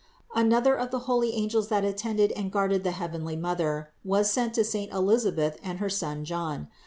490. Another of the holy angels that attended and guarded the heavenly Mother was sent to saint Elisabeth and her son John.